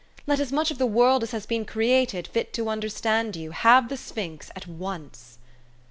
Let as much of the world as has been created fit to understand you, have the sphinx at once."